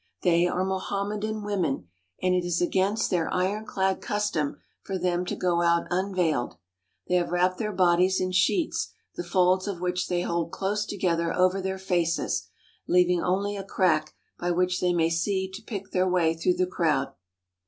They are Mohammedan women, and it is against their ironclad custom for them to go out unveiled. They have wrapped their bodies in sheets the folds of which they hold close together over their faces, leaving only a crack by which they may see to pick their way through the crowd.